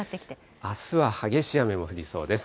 あすは激しい雨も降りそうです。